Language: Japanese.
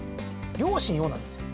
両親をなんですよ。